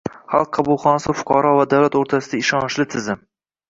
Xalq qabulxonasi fuqaro va davlat o‘rtasidagi ishonchli tizim